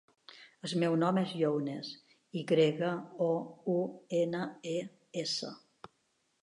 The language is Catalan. El meu nom és Younes: i grega, o, u, ena, e, essa.